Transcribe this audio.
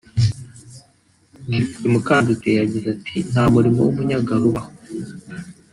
Depite Mukandutiye yagize ati “Nta murimo w’umunyagara ubaho